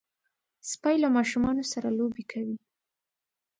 سپي له ماشومانو سره لوبې کوي.